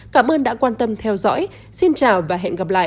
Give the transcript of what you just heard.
cảm ơn đã quan tâm theo dõi xin chào và hẹn gặp lại